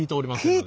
えっ？